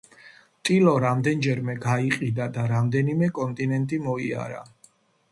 ტილო რამდენჯერმე გაიყიდა და რამდენიმე კონტინენტი მოიარა.